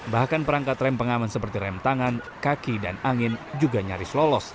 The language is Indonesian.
bahkan perangkat rem pengaman seperti rem tangan kaki dan angin juga nyaris lolos